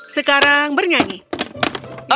sekarang aku akan mencari stroberi